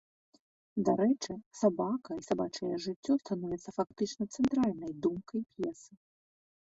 Дарэчы, сабака і сабачае жыццё становяцца фактычна цэнтральнай думкай п'есы.